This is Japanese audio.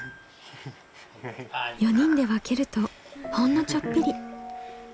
４人で分けるとほんのちょっぴり。